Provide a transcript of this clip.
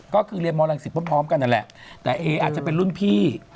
ก็คือเรียนมรังสิตพร้อมกันนั่นแหละแต่เออาจจะเป็นรุ่นพี่